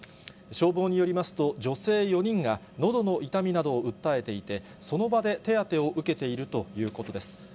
消防によりますと、女性４人がのどの痛みなどを訴えていて、その場で手当てを受けているということです。